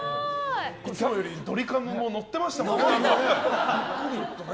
いつもよりドリカムも乗ってましたね。